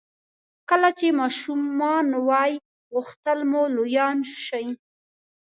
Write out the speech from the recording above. کله چې ماشومان وئ غوښتل مو لویان شئ.